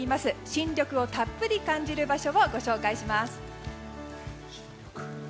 新緑をたっぷり感じる場所をご紹介します。